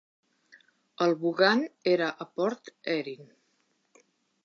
El Buggane era a Port Erin.